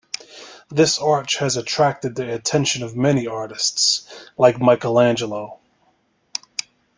This arch has attracted the attention of many artists, like Michelangelo.